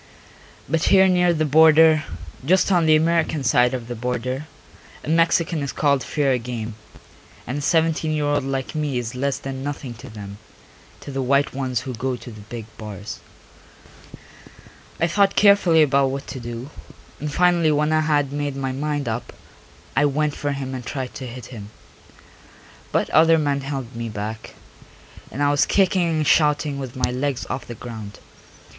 But here near the border, just on the American side of the border, a Mexican is called fair game, and a seventeen year old like me is less than nothing to them, to the white ones who go to the big bars. I thought carefully about what to do, and finally when I had made my mind up I went for him and tried to hit him. But other men held me back, and I was kicking and shouting with my legs off the ground.